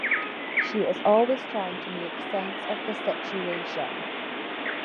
She is always trying to make sense of the situation.